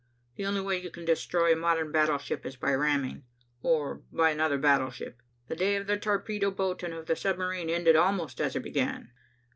The only way you can destroy a modern battleship is by ramming, or by another battleship. The day of the torpedo boat and of the submarine ended almost as it began."